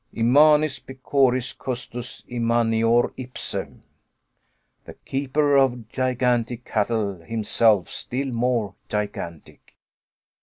Immanis pecoris custos, immanior ipse! The keeper of gigantic cattle, himself still more gigantic!